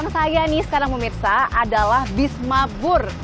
nah di belakang saya nih sekarang memirsa adalah bis mabur